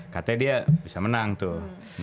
katanya dia bisa menang tuh